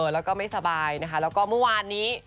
แล้วก็ไม่สบายนะคะแล้วก็เมื่อวานนี้